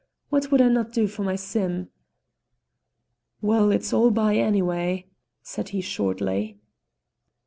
"What would I not do for my Sim?" "Well, it's all by, anyway," said he shortly.